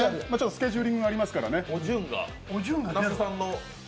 スケジューリングがありますからね。